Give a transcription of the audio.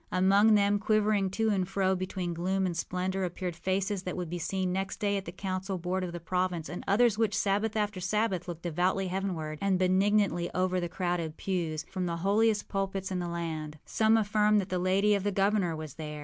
Among them, quivering to and fro between gloom and splendor, appeared faces that would be seen next day at the council board of the province, and others which, Sabbath after Sabbath, looked devoutly heavenward, and benignantly over the crowded pews, from the holiest pulpits in the land. Some affirm that the lady of the governor was there.